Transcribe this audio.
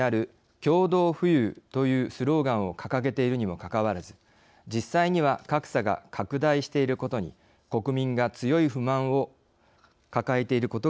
共同富裕というスローガンを掲げているにもかかわらず実際には格差が拡大していることに国民が強い不満を抱えていることがあります。